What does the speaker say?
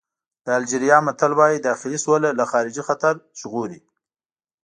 د الجېریا متل وایي داخلي سوله له خارجي خطر ژغوري.